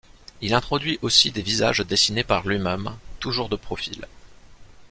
Il introduit aussi des visages dessinés par lui-même, toujours de profil.